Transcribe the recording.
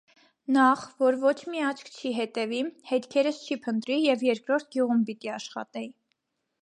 նախ` որ ոչ մի աչք չի հետևի, հետքերս չի փնտրի, և երկրորդ` գյուղում պիտի աշխատեի: